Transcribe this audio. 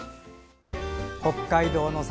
北海道の鮭